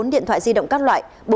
bốn mươi bốn điện thoại di động các loại